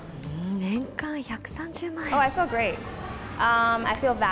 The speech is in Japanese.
年間１３０万円。